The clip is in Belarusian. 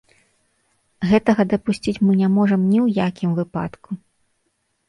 Гэтага дапусціць мы не можам ні ў якім выпадку.